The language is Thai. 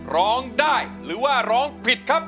ร้องได้หรือว่าร้องผิดครับ